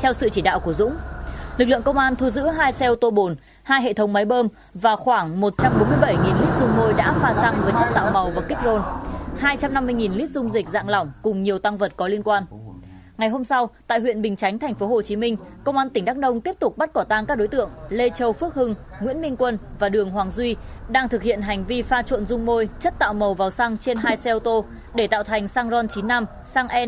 theo sự chỉ đạo của nguyễn ngọc quan giám đốc công ty trách nhiệm hữu hạn thương mại hóa chất tâm quang